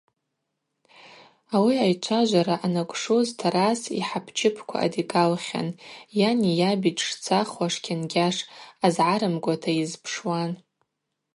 Ауи айчважвара анакӏвшуз Тарас йхӏапчыпква адигалхьан, йани йаби дшцахуаш кьангьаш азгӏарымгуата йызпшуан.